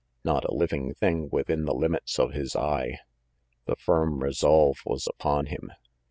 Not a living thing within the limits of his eye. The firm resolve was upon him.